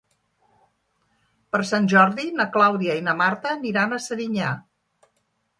Per Sant Jordi na Clàudia i na Marta aniran a Serinyà.